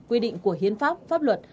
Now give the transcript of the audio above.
quy định của hiến pháp pháp luật